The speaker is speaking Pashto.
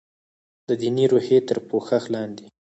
د دیني روحیې تر پوښښ لاندې.